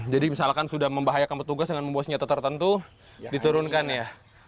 jadi misalkan sudah membahayakan petugas dengan membawa senjata tertentu diturunkan ya